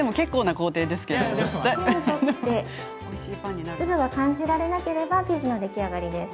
手に取って粒が感じられなければ生地の出来上がりです。